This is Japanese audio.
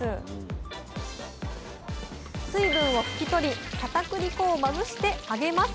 水分を拭き取りかたくり粉をまぶして揚げます。